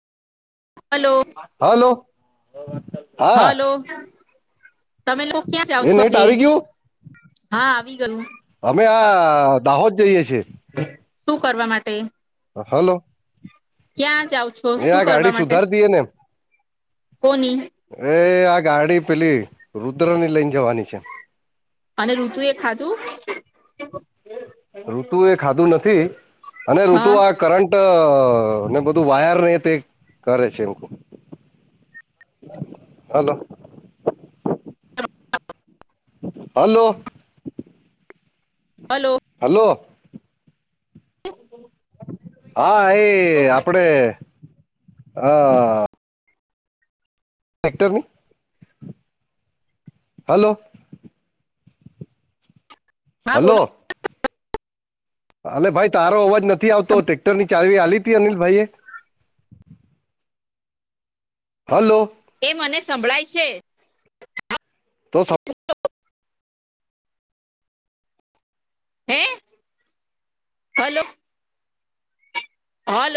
Hello. Hello. હા hello. તમે લોક ક્યાં જાવ એ છો નેટ જી? આવી ગયું હા આવી ગયુ. અમે આ દાહોદ જઈએ છીએ. શું કરવા માટે? અ હલો. ક્યાં જાઓ છો? એ આ શું ગાડી કરવા માટે સુધાર દઈએ કોની? અરે આ ગાડી પેલી રુદ્ર ની લઈને જવાની છે. અને ઋતુ એ ખાધું. ઋતુ એ ખાધું નથી અને ઋતુ હા આ કરંટ અ ને બધું વાયર ને તે કરે છે એમ હલો. હલો. હલો. હલો. હા એ આપડે હા અ ટ્રેક્ટર હું હલો. હા બોલો હલો. અલે ભાઈ તારો અવાજ નથી આવતો. ટ્રેક્ટર ની ચાવી આલી તી અનિલ ભાઈ એ હલો. એ મને સંભળાય છે. તો સમ હે હલો. હલો.